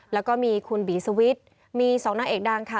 แล้วก็มีคุณบีสวิทย์มี๒นางเอกดังค่ะ